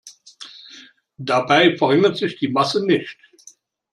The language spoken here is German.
Dabei verringert sich die Masse nicht.